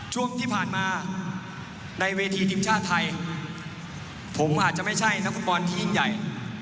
ช่วงที่ผ่านมาในเวทีทีมชาติไทยผมอาจจะไม่ใช่นักฟุตบอลที่ยิ่งใหญ่